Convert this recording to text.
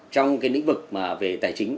trong lĩnh vực về tài chính